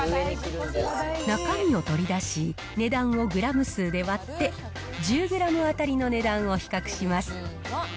中身を取り出し、値段をグラム数で割って、１０グラム当たりの値段を比較します。